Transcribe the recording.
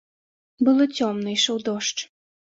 Было цёмна, ішоў дождж.